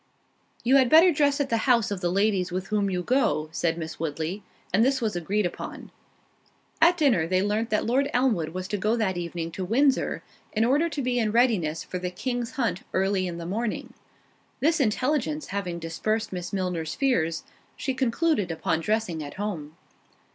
"You had better dress at the house of the ladies with whom you go," said Miss Woodley; and this was agreed upon. At dinner they learnt that Lord Elmwood was to go that evening to Windsor, in order to be in readiness for the king's hunt early in the morning. This intelligence having dispersed Miss Milner's fears, she concluded upon dressing at home.